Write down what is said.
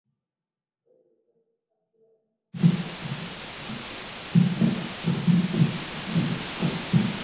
El diseño hacía un uso extensivo del metal en su construcción.